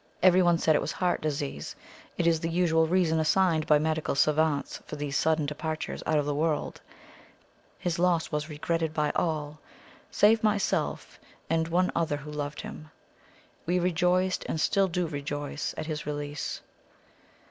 Everyone said it was heart disease it is the usual reason assigned by medical savants for these sudden departures out of the world. His loss was regretted by all, save myself and one other who loved him. We rejoiced, and still do rejoice, at his release."